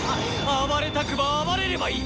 暴れたくば暴れればいい！